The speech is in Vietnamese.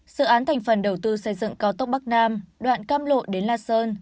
dự án thành phần đầu tư xây dựng cao tốc bắc nam đoạn căm lộ đến la sơn